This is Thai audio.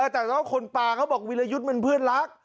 แต่ตอนนั้นคนปลาเขาบอกวีรยุทธมันเพื่อนรัก